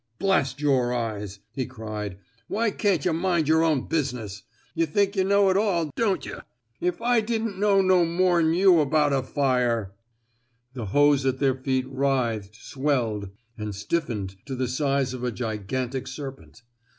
" Blast yer eyes, he cried. Why can't yuh mind yer own busi ness? Yuh think yuh know it all, don't yuh! If I didn't know no more'n you about a fire—'' The hose at their feet writhed, swelled, and stiffened to the size of a gigantic serpent.